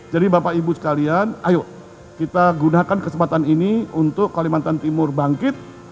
jadi bapak ibu sekalian ayo kita gunakan kesempatan ini untuk kalimantan timur bangkit